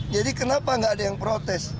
jadi kenapa nggak ada yang protes